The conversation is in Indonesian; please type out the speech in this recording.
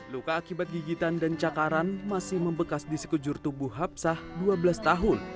luka akibat gigitan dan cakaran masih membekas di sekejur tubuh hapsah dua belas tahun